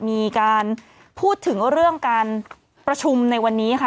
มีการพูดถึงเรื่องการประชุมในวันนี้ค่ะ